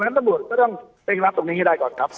เพราะฉะนั้นต้องเร่งรับตรงนี้ให้ได้ก่อนครับ